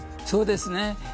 そうですね。